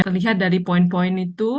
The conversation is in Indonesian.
terlihat dari poin poin itu